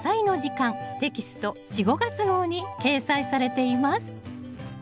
テキスト４・５月号に掲載されています